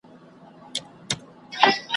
چي د حسن یې ټول مصر خریدار دی ,